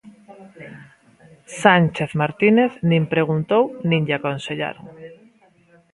Sánchez Martínez nin preguntou nin lle aconsellaron.